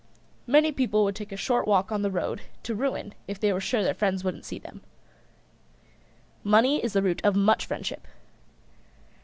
Many people would take a short walk on the road to ruin if they were sure their friends wouldn't see them. Money is the root of much friendship.